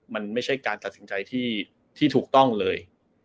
มันไม่ใช่การตัดสินใจที่ถูกต้องเลย